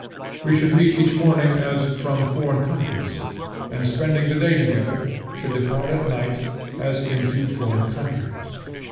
We should meet each morning as from foreign countries, and, spending the day together, should depart at night, as into foreign countries.